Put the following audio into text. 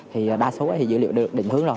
thì đa số dữ liệu được định hướng rồi